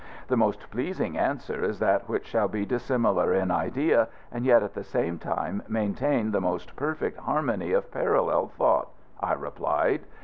The most pleasing answer is that which shall be dissimilar in idea, and yet at the same time maintain the most perfect harmony of parallel thought," I replied.